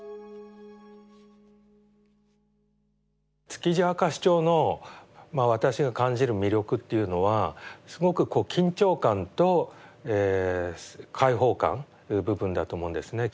「築地明石町」の私が感じる魅力っていうのはすごくこう緊張感と開放感という部分だと思うんですね。